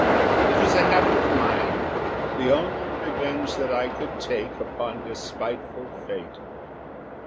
It was a habit of mind the only revenge that I could take upon despiteful Fate.